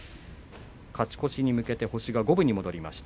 勝ち越しに向けて星を五分にしました。